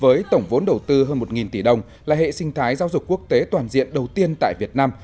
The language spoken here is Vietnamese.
với tổng vốn đầu tư hơn một tỷ đồng là hệ sinh thái giáo dục quốc tế toàn diện đầu tiên tại việt nam